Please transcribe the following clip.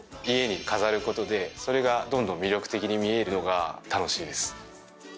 家に飾ることでそれがどんどん魅力的に見えるのが楽しいです。